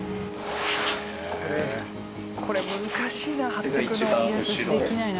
これこれ難しいな貼っていくの。